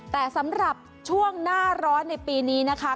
แต่สำหรับช่วงหน้าร้อนในปีนี้นะคะ